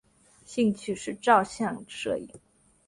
兴趣是照相摄影。